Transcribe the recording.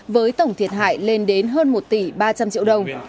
với tổng thiệt hại lên đến hơn một tỷ ba tỷ đồng